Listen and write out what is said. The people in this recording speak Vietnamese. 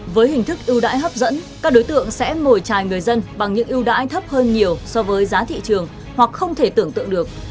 với hình thức ưu đãi hấp dẫn các đối tượng sẽ mồi trài người dân bằng những ưu đãi thấp hơn nhiều so với giá thị trường hoặc không thể tưởng tượng được